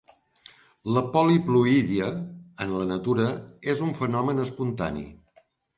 La poliploïdia, en la natura, és un fenomen espontani.